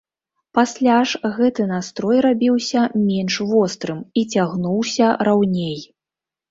Пасля ж гэты настрой рабіўся менш вострым і цягнуўся раўней.